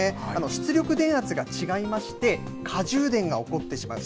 出力電圧が違いまして、過充電が起こってしまう。